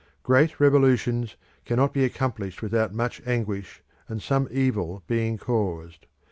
Great revolutions cannot be accomplished without much anguish and some evil being caused.